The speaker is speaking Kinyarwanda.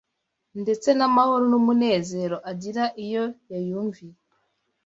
ndetse n’amahoro n’umunezero agira iyo yayumviye